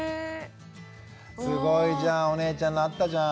すごいじゃんお姉ちゃんになったじゃん。